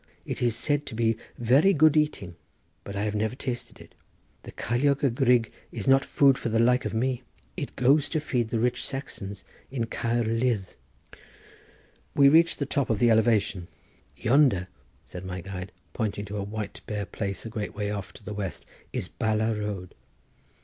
"It is said to be very good eating, but I have never tasted it. The ceiliog y grug is not food for the like of me. It goes to feed the rich Saxons in Caer Ludd." We reached the top of the elevation. "Yonder," said my guide, pointing to a white bare place a great way off to the west, "is Bala road."